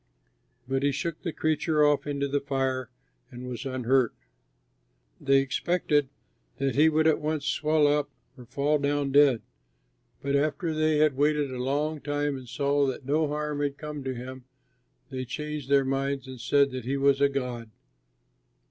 But he shook the creature off into the fire and was unhurt. They expected that he would at once swell up or fall down dead; but after they had waited a long time and saw that no harm had come to him, they changed their minds and said that he was a god.